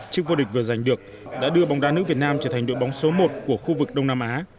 chiếc vô địch vừa giành được đã đưa bóng đá nữ việt nam trở thành đội bóng số một của khu vực đông nam á